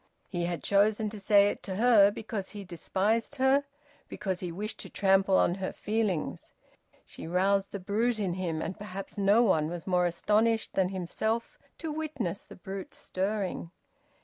He had chosen to say it to her because he despised her, because he wished to trample on her feelings. She roused the brute in him, and perhaps no one was more astonished than himself to witness the brute stirring.